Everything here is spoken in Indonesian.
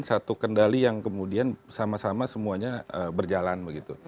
satu kendali yang kemudian sama sama semuanya berjalan begitu